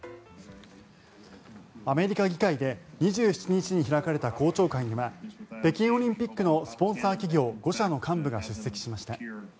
アメリカ議会で２７日に開かれた公聴会には北京オリンピックのスポンサー企業５社の幹部が出席しました。